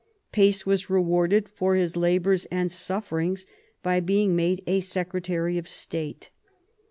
Pace was rewarded for his labours and sufferings by being made a secretary of state.